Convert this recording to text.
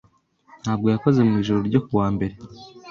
ntabwo yakoze mu ijoro ryo ku wa mbere.